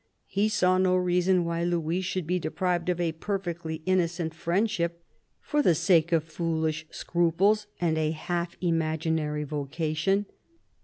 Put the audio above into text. He saw no reason why Louis should be deprived of a perfectly innocent friendship for the sake of foolish scruples and a half imaginary vocation.